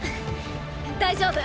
大丈夫。